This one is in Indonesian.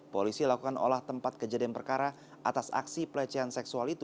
polisi lakukan olah tempat kejadian perkara atas aksi pelecehan seksual itu